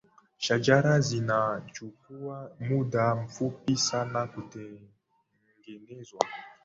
shajara zinachukua muda mfupi sana kutengenezwa